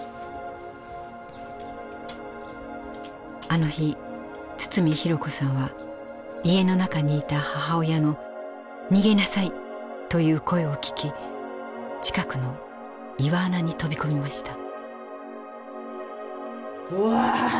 あの日堤寛子さんは家の中にいた母親の「逃げなさい」という声を聞き近くの岩穴に飛び込みました。